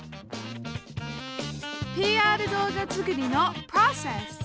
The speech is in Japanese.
ＰＲ動画作りのプロセス！